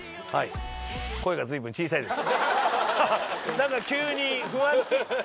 何か急に不安に？